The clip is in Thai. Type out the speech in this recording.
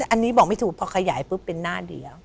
อันนี้บอกไม่ถูกพอขยายปุ๊บเป็นหน้าเดียว